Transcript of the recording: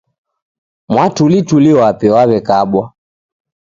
Mwatulituli w'ape w'aw'ekabwa